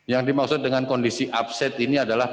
yang dimaksud dengan kondisi upset ini adalah